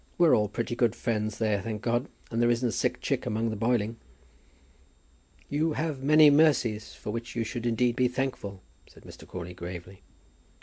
We're all pretty good friends there, thank God. And there isn't a sick chick among the boiling." "You have many mercies for which you should indeed be thankful," said Mr. Crawley, gravely.